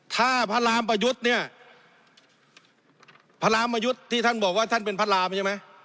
ถ้าพระรามประยุทธ์เนี่ยพระรามยุทธ์ที่ท่านบอกว่าท่านเป็นพระรามใช่ไหม